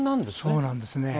そうなんですね。